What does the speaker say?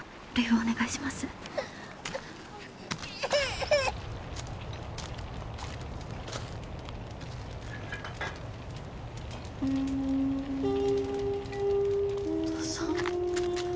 お父さん？